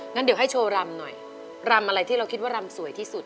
งั้นเดี๋ยวให้โชว์รำหน่อยรำอะไรที่เราคิดว่ารำสวยที่สุด